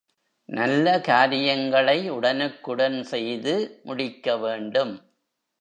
நல்ல காரியங்களை உடனுக்குடன் செய்து முடிக்க வேண்டும்.